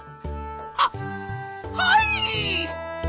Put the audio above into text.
「ははい！